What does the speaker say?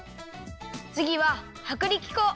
つぎははくりき粉。